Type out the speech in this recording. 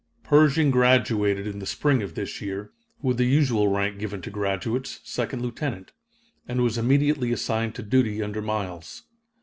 Pershing graduated in the spring of this year, with the usual rank given to graduates, second lieutenant, and was immediately assigned to duty under Miles.